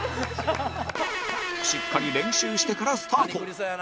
しっかり練習してからスタート